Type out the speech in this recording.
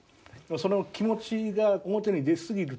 その気持ちが表に出すぎる時がある。